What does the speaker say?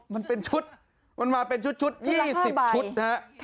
มันเป็นชุดมันมาเป็นชุดชุดยี่สิบชุดนะฮะค่ะ